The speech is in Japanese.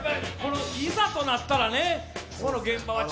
いざとなったらね、ここの現場はね。